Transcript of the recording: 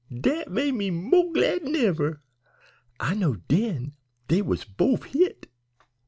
Dat made me mo' glad 'n ever. I knowed den dey was bofe hit.